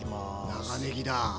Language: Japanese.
長ねぎだ。